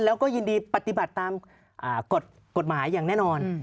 แล้วก็ยินดีปฏิบัติตามกฎหมายอย่างแน่นอน